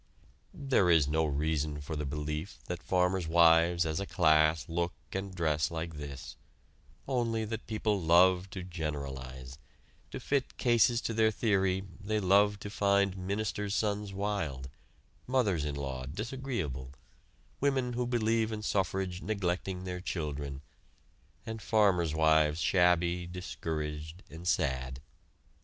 There is no reason for the belief that farmers' wives as a class look and dress like this, only that people love to generalize; to fit cases to their theory, they love to find ministers' sons wild; mothers in law disagreeable; women who believe in suffrage neglecting their children, and farmers' wives shabby, discouraged and sad.